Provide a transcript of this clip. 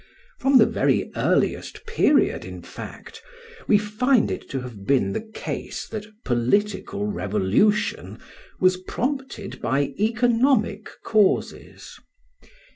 From the very earliest period, in fact, we find it to have been the case that political revolution was prompted by economic causes.